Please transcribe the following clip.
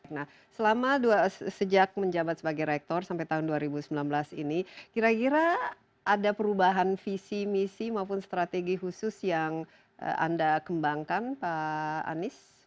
nah selama sejak menjabat sebagai rektor sampai tahun dua ribu sembilan belas ini kira kira ada perubahan visi misi maupun strategi khusus yang anda kembangkan pak anies